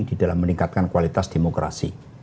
di dalam meningkatkan kualitas demokrasi